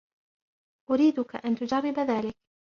أريدُك أن تجرّب ذلِكَ.